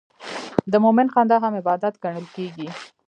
د مؤمن خندا هم عبادت ګڼل کېږي.